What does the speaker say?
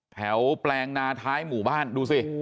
แปลงนาท้ายหมู่บ้านดูสิ